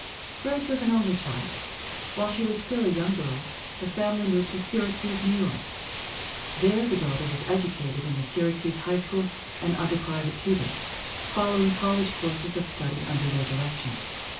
Grace was an only child. While she was still a young girl the family moved to Syracuse, New York. There the daughter was educated in the Syracuse High School and under private tutors, following college courses of study under their direction.